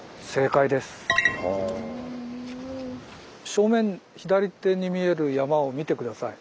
正面左手に見える山を見て下さい。